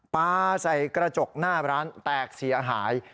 ปลาใส่กระจกหน้าร้านแตกเสียหาย